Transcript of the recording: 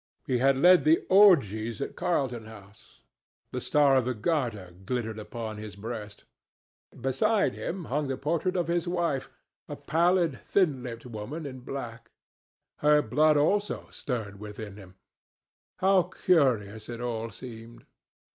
He had led the orgies at Carlton House. The star of the Garter glittered upon his breast. Beside him hung the portrait of his wife, a pallid, thin lipped woman in black. Her blood, also, stirred within him. How curious it all seemed!